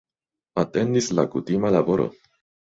Atendis la kutima laboro.